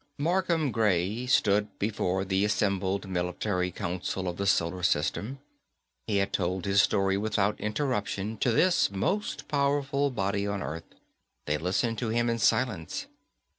Markham Gray stood before the assembled Military Council of the Solar System. He had told his story without interruption to this most powerful body on Earth. They listened to him in silence.